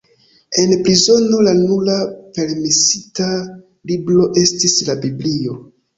En prizono la nura permesita libro estis la Biblio.